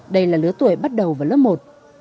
đây là lứa tuổi bắt đầu vào lớp một